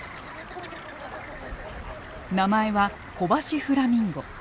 名前はコバシフラミンゴ。